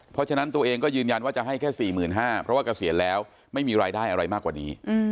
เพราะฉะนั้นตัวเองก็ยืนยันว่าจะให้แค่๔๕๐๐เพราะว่าเกษียณแล้วไม่มีรายได้อะไรมากกว่านี้